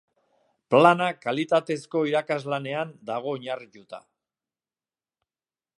Plana Kalitatezko irakaslanean dago oinarritua.